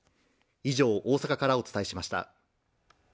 以上大阪からお伝えしました。